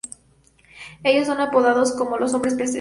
Ellos son apodados como Los Hombres Peces.